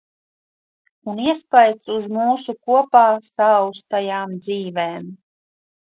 Un iespaids uz mūsu kopā saaustajām dzīvēm.